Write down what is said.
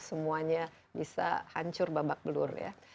semuanya bisa hancur babak belur ya